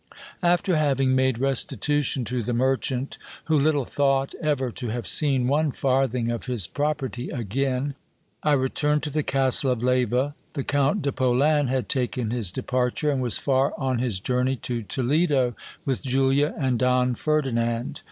After having made restitution to the merchant, who little thought ever to have seen one farthing of his property again, I returned to the castle of Leyva. The Count de Polan had taken his departure, and was far on his journey to Toledo with Julia and Don Ferdinand.